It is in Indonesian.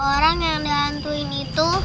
orang yang dihantuin itu